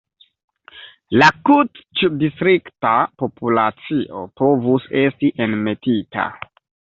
La kutĉ-distrikta populacio povus esti enmetita.